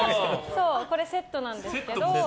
これ、セットなんですけど。